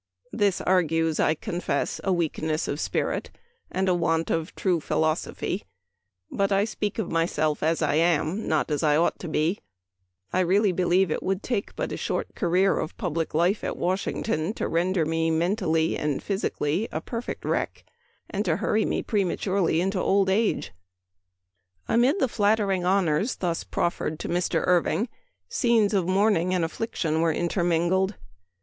This argues, I confess, a weakness of spirit, and a want of true philoso phy ; but I speak oi myself as I am, not as I ought to be. ... I really believe it would take but a short career o{ public life at Washington to render me mentally and physically a perfect Memoir of Washington Irving. 251 wreck, and to hurry me prematurely into old age." Amid the flattering honors thus proffered to Mr. Irving scenes of mourning and affliction were intermingled.